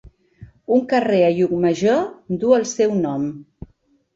Un carrer a Llucmajor duu el seu nom.